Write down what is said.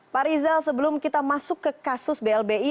pak rizal sebelum kita masuk ke kasus blbi